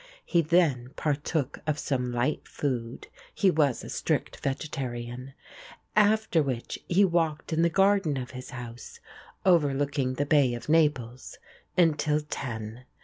He then partook of some light food (he was a strict vegetarian), after which he walked in the garden of his house, overlooking the Bay of Naples, until ten.